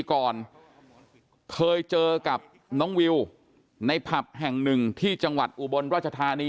ก่อนเคยเจอกับน้องวิวในผับแห่งหนึ่งที่จังหวัดอุบลราชธานี